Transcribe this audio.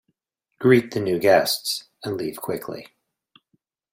Greet the new guests and leave quickly.